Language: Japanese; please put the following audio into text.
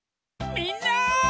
みんな！